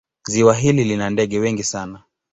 Ziwa hili lina ndege wengi sana.